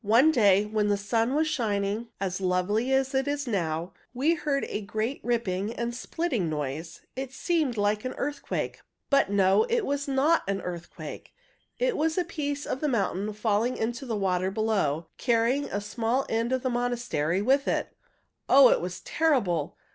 One day, when the sun was shining as lovely as it is now, we heard a great ripping and splitting noise. It seemed like an earthquake. But no, it was not an earthquake! It was a piece of the mountain falling into the water below, carrying a small end of the monastery with it. Oh, it was terrible!